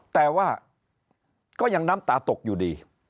แต่ว่าก็ยังน้ำตาตกอยู่ดี